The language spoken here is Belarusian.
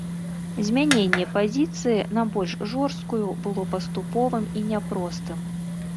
Змяненне пазіцыі на больш жорсткую было паступовым і няпростым.